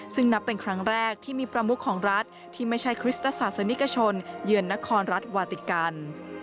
ซึ่งนับเป็นครั้งแรกที่มีประมุขของรัฐที่ไม่ใช่คริสตศาสนิกชนเยือนนครรัฐวาติกัน